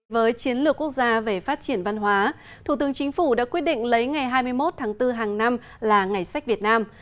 với chiến lược quốc gia về phát triển văn hóa thủ tướng chính phủ đã quyết định lấy ngày hai mươi một tháng bốn hàng năm là ngày sách việt nam